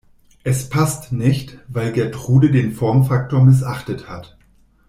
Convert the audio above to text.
Es passt nicht, weil Gertrude den Formfaktor missachtet hat.